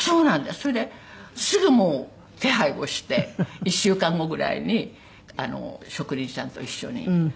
それですぐもう手配をして１週間後ぐらいに職人さんと一緒に。